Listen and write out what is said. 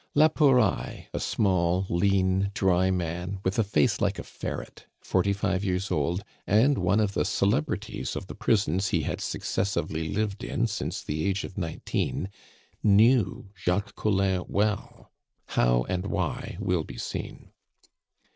La Pouraille, a small, lean, dry man, with a face like a ferret, forty five years old, and one of the celebrities of the prisons he had successively lived in since the age of nineteen, knew Jacques Collin well, how and why will be seen.